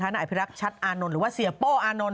นายอภิรักษ์ชัดอานนท์หรือว่าเสียโป้อานนท